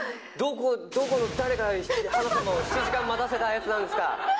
どこの誰が花様を７時間待たせたやつなんですか。